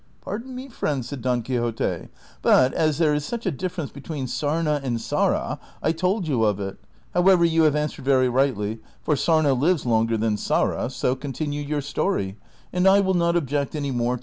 " Pardon me, friend," said Don Quixote ;'' but, as there is such a difference between sarna and Sara, I told you of it ; however, you have answered very rightly, for sarna lives longer than Sara: so continue your story, and I will not object any more to anything."